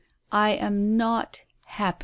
I am not happy!"